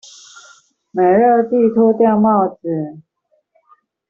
美樂蒂脫掉帽子